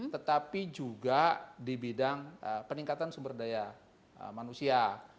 tetapi juga di bidang peningkatan sumber daya manusia